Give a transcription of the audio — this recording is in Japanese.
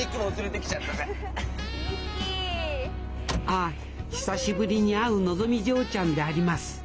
ああ久しぶりに会うのぞみ嬢ちゃんであります。